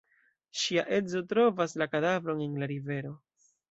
Ŝia edzo trovas la kadavron en la rivero.